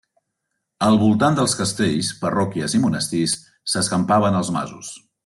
Al voltant dels castells, parròquies i monestirs s'escampaven els masos.